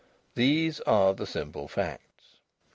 These are the simple facts.